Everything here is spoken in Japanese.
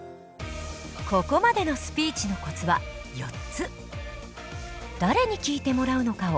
ここまでのスピーチのコツは４つ。